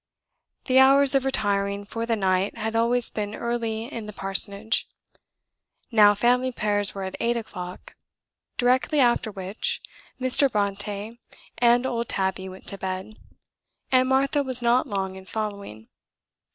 The hours of retiring for the night had always been early in the Parsonage; now family prayers were at eight o'clock; directly after which Mr. Brontë and old Tabby went to bed, and Martha was not long in following.